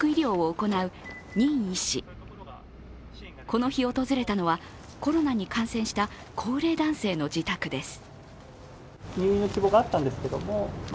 この日、訪れたのはコロナに感染した高齢男性の自宅です。